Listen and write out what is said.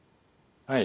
はい。